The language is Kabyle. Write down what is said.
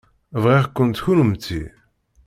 Bɣiɣ-kent kennemti.